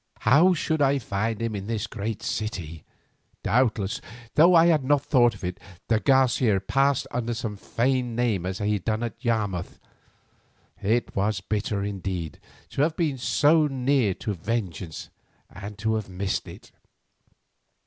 How should I find him in this great city? Doubtless, though I had not thought of it, de Garcia passed under some feigned name as he had done at Yarmouth. It was bitter indeed to have been so near to vengeance and to have missed it.